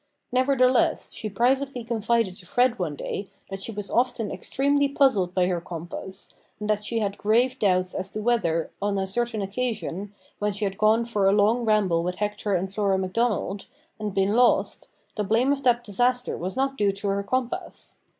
Nevertheless, she privately confided to Fred one day that she was often extremely puzzled by her compass, and that she had grave doubts as to whether, on a certain occasion, when she had gone for a long ramble with Hector and Flora Macdonald, and been lost, the blame of that disaster was not due to her compass.